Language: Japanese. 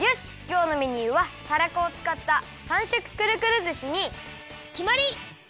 きょうのメニューはたらこをつかった３色クルクルずしにきまり！